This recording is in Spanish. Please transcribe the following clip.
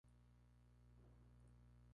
Biblioteca Popular.